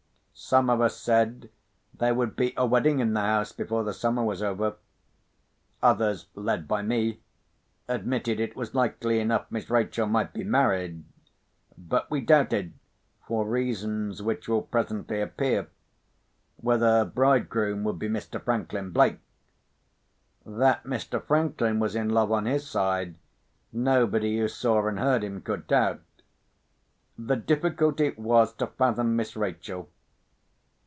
Some of us said there would be a wedding in the house before the summer was over. Others (led by me) admitted it was likely enough Miss Rachel might be married; but we doubted (for reasons which will presently appear) whether her bridegroom would be Mr. Franklin Blake. That Mr. Franklin was in love, on his side, nobody who saw and heard him could doubt. The difficulty was to fathom Miss Rachel.